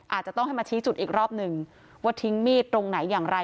อาจจะต้องให้มาชี้จุดอีกรอบหนึ่งว่าทิ้งมีดตรงไหนอย่างไร